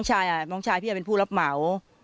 ไม่ใช่จ้ะน้องชายพี่เป็นผู้รับเหมา